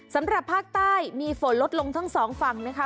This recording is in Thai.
สำหรับภาคใต้มีฝนลดลงทั้งสองฝั่งนะคะ